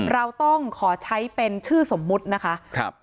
เราต้องขอใช้เป็นชื่อสมมุตินะคะ